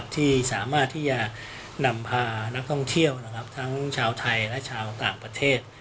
ที่สามารถที่จะนำพานักท่องเที่ยวทั้งชาวไทยและชาวต่างประเทศ